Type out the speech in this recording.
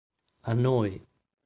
A Noi!